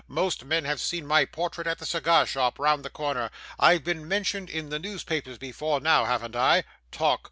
Most men have seen my portrait at the cigar shop round the corner. I've been mentioned in the newspapers before now, haven't I? Talk!